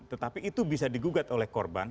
tetapi itu bisa digugat oleh korban